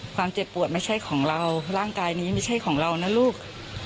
เจ็บปวดไม่ใช่ของเราร่างกายนี้ไม่ใช่ของเรานะลูก